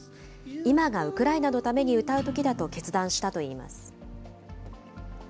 今がウクライナのために、歌うときだと決断したといいます。